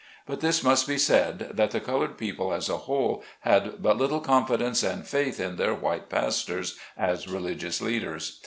But this must be said, that the colored people as a whole, had but little confidence and faith in their white pastors as religious leaders.